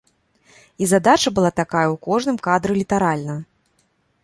І задача была такая ў кожным кадры літаральна.